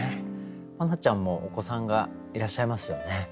茉奈ちゃんもお子さんがいらっしゃいますよね。